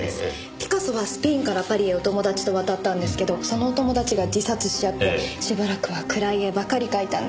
ピカソはスペインからパリへお友達と渡ったんですけどそのお友達が自殺しちゃってしばらくは暗い絵ばかり描いたんです。